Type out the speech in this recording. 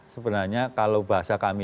sebenarnya kalau bahasa kami